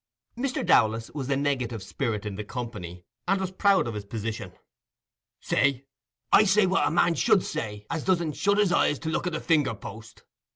Mr. Dowlas was the negative spirit in the company, and was proud of his position. "Say? I say what a man should say as doesn't shut his eyes to look at a finger post.